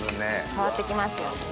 変わってきますよね。